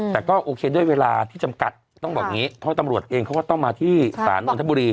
แต่ก็โอเคด้วยเวลาที่จำกัดต้องบอกอย่างนี้เพราะตำรวจเองเขาก็ต้องมาที่ศาลนทบุรี